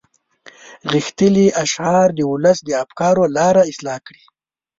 غښتلي اشعار د ولس د افکارو لاره اصلاح کړي.